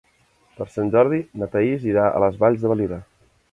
Per Sant Jordi na Thaís irà a les Valls de Valira.